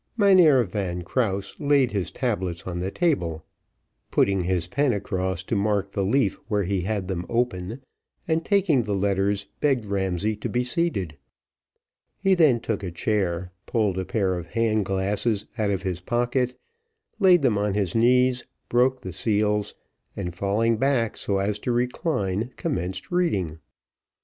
Mynheer Van Krause laid his tablets on the table, putting his pen across to mark the leaf where he had them open, and taking the letters begged Ramsay to be seated. He then took a chair, pulled a pair of hand glasses out of his pocket, laid them on his knees, broke the seals, and falling back so as to recline, commenced reading.